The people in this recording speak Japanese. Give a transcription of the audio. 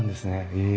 へえ。